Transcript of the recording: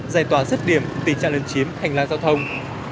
giải tỏa sức điểm tình trạng lân chiếm hành lang giao thông